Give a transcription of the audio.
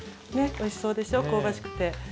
おいしそうでしょ香ばしくて。